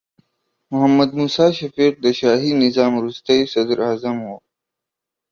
محمد موسی شفیق د شاهي نظام وروستې صدراعظم و.